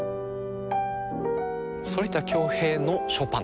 反田恭平のショパン？